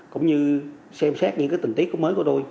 cũng như xem xét những cái tình tiết mới của tôi